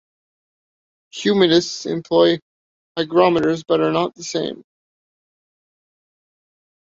Humidistats employ hygrometers but are not the same.